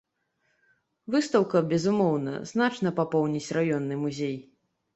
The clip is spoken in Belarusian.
Выстаўка безумоўна значна папоўніць раённы музей.